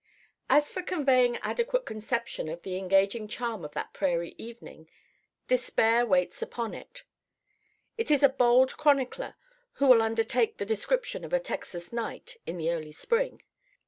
As for conveying adequate conception of the engaging charm of that prairie evening, despair waits upon it. It is a bold chronicler who will undertake the description of a Texas night in the early spring.